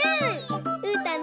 うん。